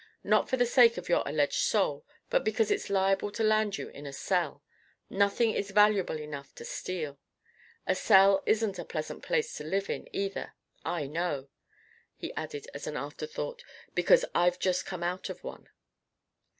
Not for the sake of your alleged soul, but because it's liable to land you in a cell. Nothing is valuable enough to steal. A cell isn't a pleasant place to live in, either. I know," he added as an afterthought, "because I've just come out of one."